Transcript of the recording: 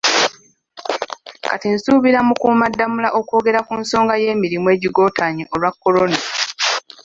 Kati nsuubira Mukuumaddamula okwogera ku nsonga y'emirimu egigootaanye olwa Corona